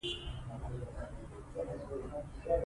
اداري حساب ورکونه د فساد مخه نیسي